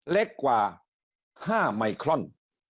เล็กกว่า๕ไมครอน